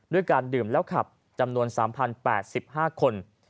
การดื่มแล้วขับจำนวน๓๐๘๕คน